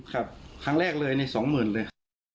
ครับครั้งแรกเลย๒หมื่นเลย